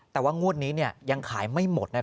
แต่ว่างวดนี้ยังขายไม่หมด